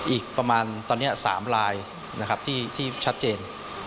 อีกประมาณตอนนี้๓ลายนะครับที่ชัดเจน